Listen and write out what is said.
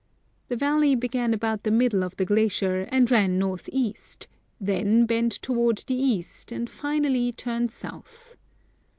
The valley began about the middle of the glacier, and ran north east ; then bent towards the east, and finally turned south.